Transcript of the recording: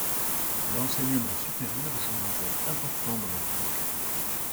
L'enseignement supérieur joue un rôle important dans la vie locale.